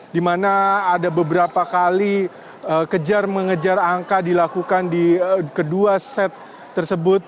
di mana ada beberapa kali kejar mengejar angka dilakukan di kedua set tersebut